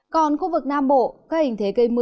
còn khu vực nam bộ các hình thế gây mưa